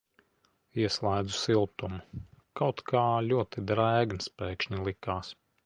Ieslēdzu siltumu, kaut kā ļoti drēgns pēkšņi likās.